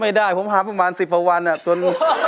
ไม่ได้ผมหาประมาณ๑๐ฟัววันอ่ะตอน